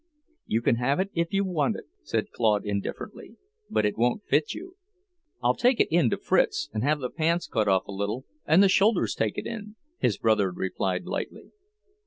"You can have it if you want it," said Claude indifferently "But it won't fit you." "I'll take it in to Fritz and have the pants cut off a little and the shoulders taken in," his brother replied lightly.